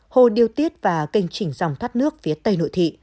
hồ điêu tiết và kênh chỉnh dòng thoát nước phía tây nội thị